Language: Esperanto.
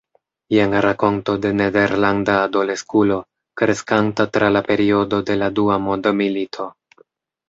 Jen rakonto de nederlanda adoleskulo, kreskanta tra la periodo de la dua mondmilito.